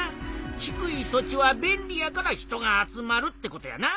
低い土地は便利やから人が集まるってことやな。